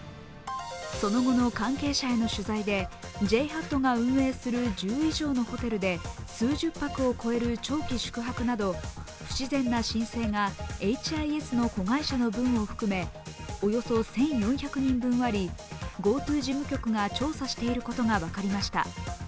その後の関係者への取材でＪＨＡＴが運営する１０以上のホテルで数十泊を超える長期宿泊など不自然な申請がエイチ・アイ・エスの子会社の分を含めおよそ１４００人分ありＧｏＴｏ事務局が調査していることが分かりました。